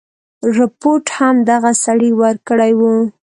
رپوټ هم دغه سړي ورکړی وو.